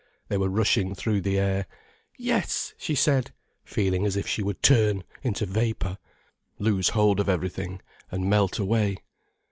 They were rushing through the air. "Yes," she said, feeling as if she would turn into vapour, lose hold of everything, and melt away.